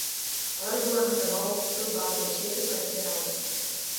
Алар бул аныктамага укуктук баа беришет, — деп айтты ал.